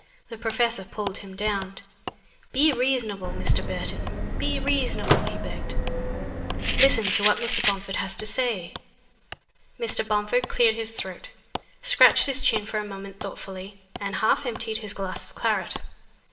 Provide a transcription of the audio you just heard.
The professor pulled him down. "Be reasonable, Mr. Burton be reasonable," he begged. "Listen to what Mr. Bomford has to say." Mr. Bomford cleared his throat, scratched his chin for a moment thoughtfully, and half emptied his glass of claret.